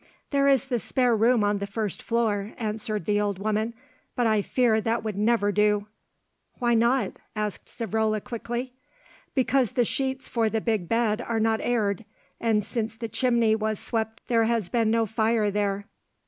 "There is the spare room on the first floor," answered the old woman; "but I fear that would never do." "Why not?" asked Savrola quickly. "Because the sheets for the big bed are not aired, and since the chimney was swept there has been no fire there."